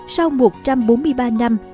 sau một trăm bốn mươi ba năm